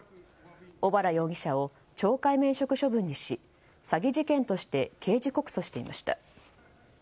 小原容疑者を懲戒免職処分にし詐欺事件として刑事告訴していました。